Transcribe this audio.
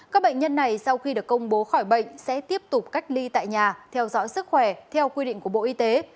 các bệnh nhân này sau khi được công bố khỏi bệnh sẽ tiếp tục cách ly tại nhà theo dõi sức khỏe theo quy định của bộ y tế